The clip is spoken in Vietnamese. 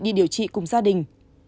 đi điều trị cùng gia đình